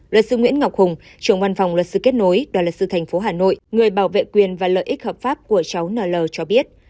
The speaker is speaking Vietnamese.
luật sư nguyễn ngọc hùng trưởng văn phòng luật sư kết nối đoàn luật sư thành phố hà nội người bảo vệ quyền và lợi ích hợp pháp của cháu nl cho biết